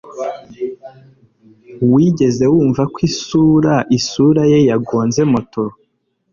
Wigeze wumva ko isuraisura ye yagonze moto